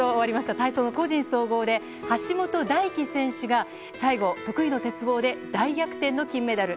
体操の個人総合で橋本大輝選手が最後、得意の鉄棒で大逆転の金メダル。